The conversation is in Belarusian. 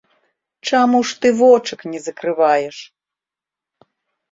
Чаму ж ты вочак не закрываеш?